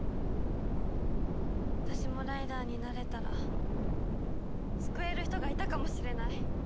私もライダーになれたら救える人がいたかもしれない。